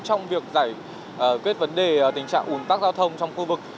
trong việc giải quyết vấn đề tình trạng ủn tắc giao thông trong khu vực